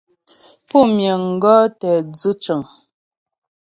Pú miŋ gɔ̌ tɛ dzʉ cəŋ.